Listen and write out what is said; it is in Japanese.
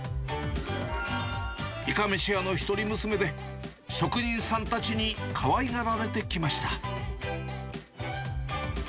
いかめし屋の一人娘で、職人さんたちにかわいがられてきました。